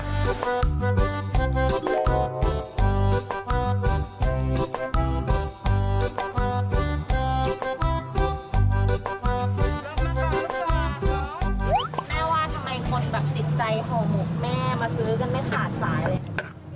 แม่ว่าทำไมคนติดใจห่วงหมวกแม่มาซื้อกันไม่ขาดสาย